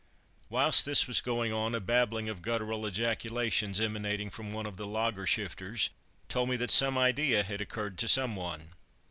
Whilst this was going on a babbling of guttural ejaculations emanating from one of the laager schifters, told me that some idea had occurred to someone.